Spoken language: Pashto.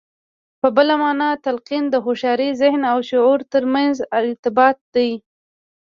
په بله مانا تلقين د هوښيار ذهن او لاشعور ترمنځ ارتباط دی.